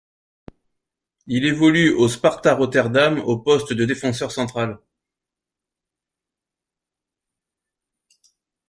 Il évolue au Sparta Rotterdam au poste de défenseur central.